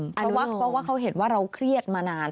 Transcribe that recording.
เพราะว่าเขาเห็นว่าเราเครียดมานาน